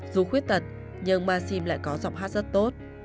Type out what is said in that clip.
dù khuyết tật nhưng maxim lại có giọng hát rất tốt